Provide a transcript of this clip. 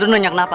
lu nanya kenapa